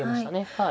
はい。